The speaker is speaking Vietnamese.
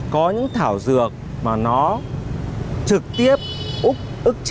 có những thảo dược mà nó trực tiếp ức chế hoặc tiêu diệt tế bào ung thư